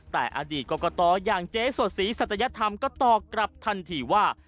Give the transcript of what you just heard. แต่อดีตก็กระต่ออย่างเจสสีศัตรยธรรมก็ต่อกลับทันทีว่า